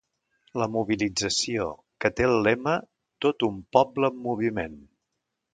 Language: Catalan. La mobilització, que té el lema Tot un poble en moviment.